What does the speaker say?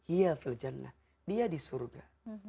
iya filjana dia di surga